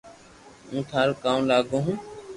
ھون ٿاري ڪاو لاگو